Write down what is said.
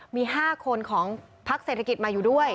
มี๕คนของพักเศรษฐกิจมาอยู่ด้วย